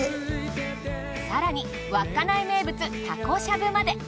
更に稚内名物たこしゃぶまで。